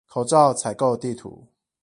口罩採購地圖